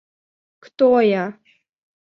Кто я?